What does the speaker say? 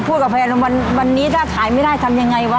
พูดกับแฟนว่าวันนี้ถ้าขายไม่ได้ทำอย่างไรวะ